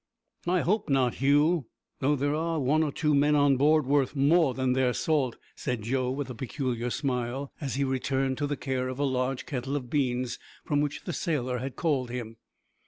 "I hope not, Hugh, though there are one or two men on board worth more than their salt," said Joe, with a peculiar smile, as he returned to the care of a large kettle of beans, from which the sailor had called him.